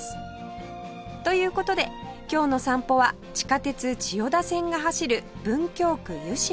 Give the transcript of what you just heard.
という事で今日の散歩は地下鉄千代田線が走る文京区湯島